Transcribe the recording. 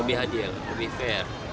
lebih adil lebih fair